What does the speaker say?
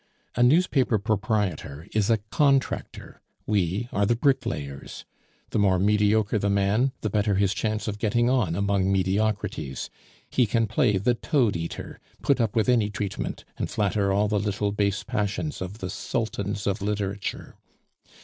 A newspaper proprietor is a contractor, we are the bricklayers. The more mediocre the man, the better his chance of getting on among mediocrities; he can play the toad eater, put up with any treatment, and flatter all the little base passions of the sultans of literature.